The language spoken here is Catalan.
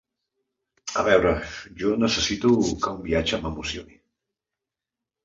A veure, jo necessito que un viatge m’emocioni.